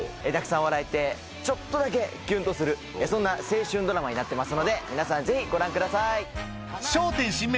たくさん笑えてちょっとだけキュンとするそんな青春ドラマになってますので皆さんぜひご覧ください。